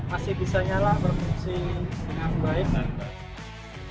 masih bisa nyala berfungsi dengan baik